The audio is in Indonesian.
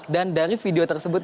dan dari video tersebut